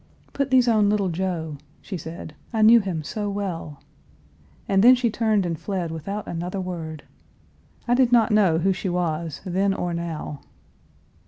"Put these on little Joe," she said; "I knew him so well," and then she turned and fled without another word. I did not know who she was then or now.